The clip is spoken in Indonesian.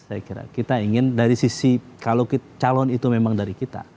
saya kira kita ingin dari sisi kalau calon itu memang dari kita